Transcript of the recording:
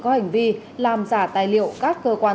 có hành vi làm giả tài liệu các cơ quan